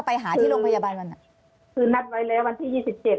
ไปหาที่โรงพยาบาลวันอ่ะคือนัดไว้แล้ววันที่ยี่สิบเจ็ด